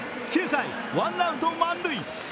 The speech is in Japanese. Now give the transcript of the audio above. ９回ワンアウト満塁。